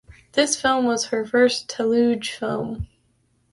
This film was her first Telugu film.